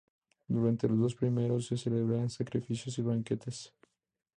Durante los dos primeros se celebraban sacrificios y banquetes.